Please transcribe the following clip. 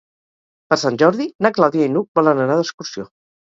Per Sant Jordi na Clàudia i n'Hug volen anar d'excursió.